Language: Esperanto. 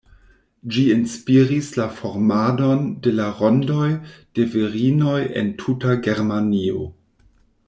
Ĝi inspiris la formadon de la rondoj de virinoj en tuta Germanio.